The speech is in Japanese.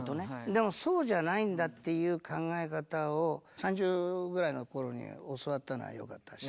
でもそうじゃないんだっていう考え方を３０ぐらいの頃に教わったのはよかったです。